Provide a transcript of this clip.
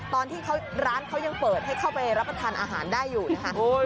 ตอนที่ร้านเขายังเปิดให้เข้าไปรับประทานอาหารได้อยู่นะคะ